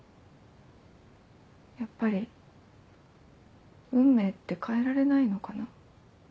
やっぱり運命って変えられないのかな。